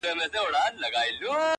په غضب یې کړه ور ږغ چي ژر سه څه کړې -